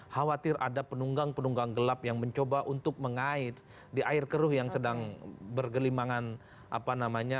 khawatir ada penunggang penunggang gelap yang mencoba untuk mengait di air keruh yang sedang bergelimangan apa namanya